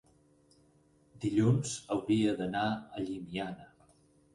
dilluns hauria d'anar a Llimiana.